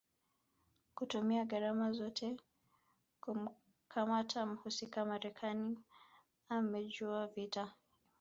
kutumia gharama zozote kumkamata mhusika Marekani imevijua vita